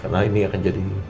karena ini akan jadi